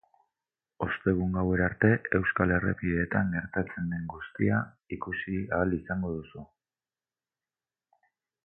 Ostegun gauera arte, euskal errepideetan gertatzen den guztia ikusi ahal izango duzu.